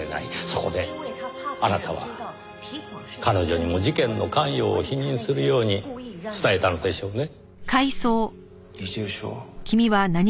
そこであなたは彼女にも事件の関与を否認するように伝えたのでしょうね。